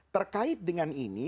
terkait dengan ini